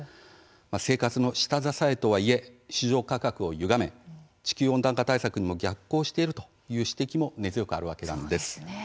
生活の下支えとはいえ市場価格をゆがめ地球温暖化対策にも逆行しているという指摘も根強くあるわけなんです。